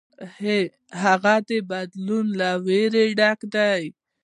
هغه د بدلون له ویرې ډک دی.